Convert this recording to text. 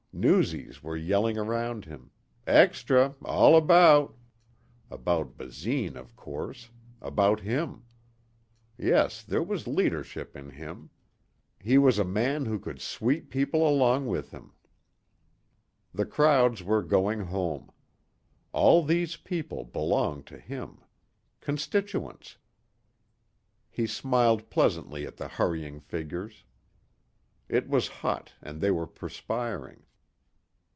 Newsies were yelling around him. Extra all about! About Basine, of course. About him. Yes, there was leadership in him. He was a man who could sweep people along with him. The crowds were going home. All these people belonged to him. Constituents. He smiled pleasantly at the hurrying figures. It was hot and they were perspiring.